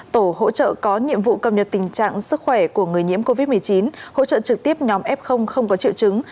tổ hỗ trợ có nhiệm vụ cập nhật tình trạng sức khỏe của người nhiễm covid một mươi chín hỗ trợ trực tiếp nhóm f không có triệu chứng